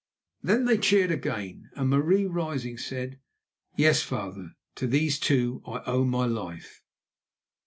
Then they cheered again, and Marie, rising, said: "Yes, father; to these two I owe my life."